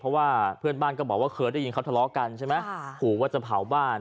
เพราะว่าเพื่อนบ้านก็บอกว่าเคยได้ยินเขาทะเลาะกันใช่ไหมขู่ว่าจะเผาบ้าน